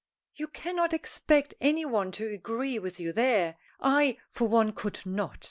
"You cannot expect any one to agree with you there. I, for one, could not."